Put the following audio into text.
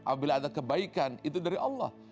apabila ada kebaikan itu dari allah